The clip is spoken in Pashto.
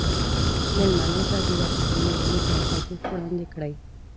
میلمنو ته د وطني میوو تازه جوس وړاندې کړئ